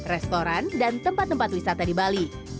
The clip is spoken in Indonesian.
restoran dan tempat tempat wisata di bali